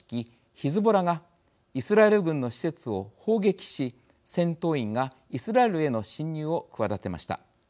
ヒズボラがイスラエル軍の施設を砲撃し戦闘員がイスラエルへの侵入を企てました。